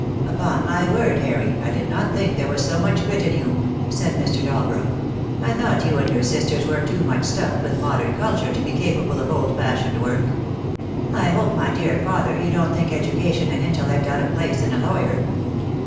"Upon my word, Harry, I did not think there was so much grit in you," said Mr. Dalbrook. "I thought you and your sisters were too much stuffed with modern culture to be capable of old fashioned work." "I hope, my dear father, you don't think education and intellect out of place in a lawyer?"